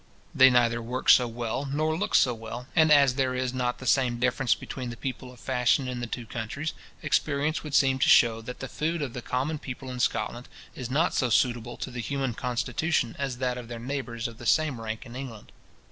They neither work so well, nor look so well; and as there is not the same difference between the people of fashion in the two countries, experience would seem to shew, that the food of the common people in Scotland is not so suitable to the human constitution as that of their neighbours of the same rank in England.